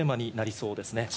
そうですね。